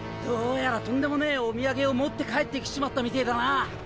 どうやらとんでもねえお土産を持って帰って来ちまったみてえだな。